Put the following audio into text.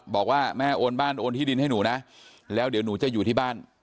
บอกว่าแม่โอนบ้านโอนที่ดินให้หนูนะแล้วเดี๋ยวหนูจะอยู่ที่บ้าน